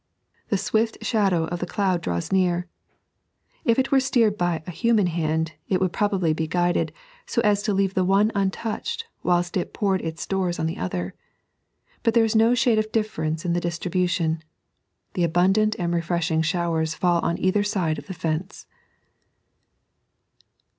The swift shadow of the cloud draws near. If it were steered by a human hand, it would probably be guided, so as to leave the one untouched whilst it poured its stores on the other. But there is no shade of difference in the distribution. The abundant and refreshing showers fall on either side of the fence.